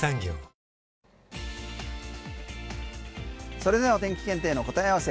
それでお天気検定の答え合わせ